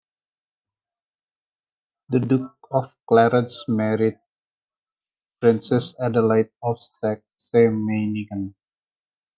The Duke of Clarence married Princess Adelaide of Saxe-Meiningen.